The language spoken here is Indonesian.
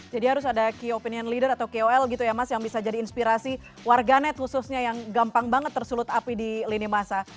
jadi harus ada key opinion leader atau kol gitu ya mas yang bisa jadi inspirasi warganet khususnya yang gampang banget tersulut api di lini masa